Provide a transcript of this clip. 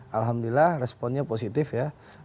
alhamdulillah responnya positif ya